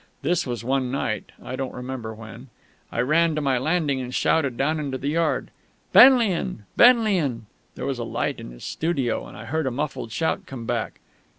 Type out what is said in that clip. (This was one night, I don't remember when.) I ran to my landing and shouted down into the yard. "Benlian! Benlian!" There was a light in his studio, and I heard a muffled shout come back.